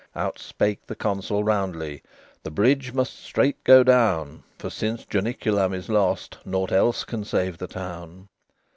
Out spake the Consul roundly: "The bridge must straight go down; For, since Janiculum is lost, Nought else can save the town."